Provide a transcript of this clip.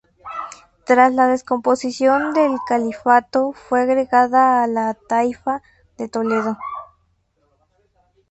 Tras la descomposición del califato fue agregada a la taifa de Toledo.